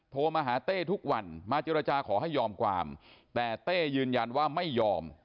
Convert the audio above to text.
โทรมาหาเต้ทุกวันมาเจรจาขอให้ยอมความแต่เต้ยืนยันว่าไม่ยอม